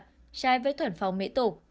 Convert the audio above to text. trai với thuẩn phóng mỹ tục